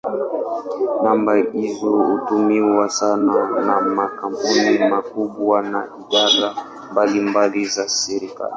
Namba hizo hutumiwa sana na makampuni makubwa na idara mbalimbali za serikali.